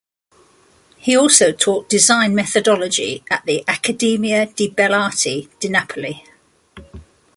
He also taught design methodology at the Accademia di Belle Arti di Napoli.